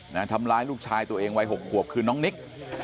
ทำร้ายลูกชายตัวเองวัยหกขวบคือน้องนิก